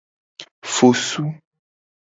Fosu.